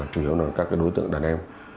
chủ yếu là các cái đối tượng đàn em